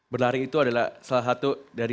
berlari itu adalah salah satu dari